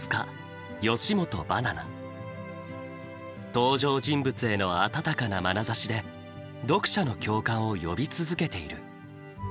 登場人物への温かなまなざしで読者の共感を呼び続けている。